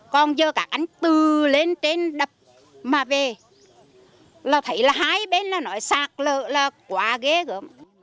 còn giờ các anh từ lên trên đập mà về là thấy là hai bên là nói sạc lỡ là quá ghê cơ